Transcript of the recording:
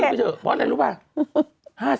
เพราะอะไรรู้ป่ะ